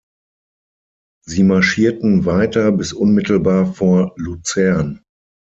Sie marschierten weiter bis unmittelbar vor Luzern.